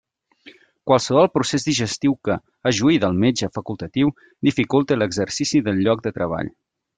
Qualsevol procés digestiu que, a juí del metge facultatiu, dificulte l'exercici del lloc de treball.